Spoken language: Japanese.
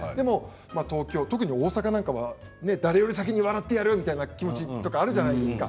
東京、特に大阪は誰よりも先に笑ってやるみたいな気持ちがあるじゃないですか。